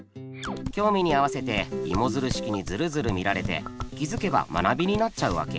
興味に合わせてイモヅル式にヅルヅル見られて気づけば学びになっちゃうわけ。